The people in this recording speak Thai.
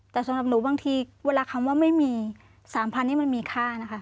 แต่สำหรับหนูบางทีเวลาคำว่าไม่มี๓๐๐นี่มันมีค่านะคะ